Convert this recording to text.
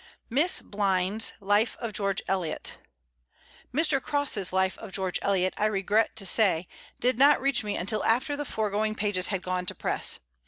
Miss Blind's Life of George Eliot. Mr. Cross's Life of George Eliot, I regret to say, did not reach me until after the foregoing pages had gone to press.